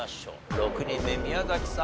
６人目宮崎さん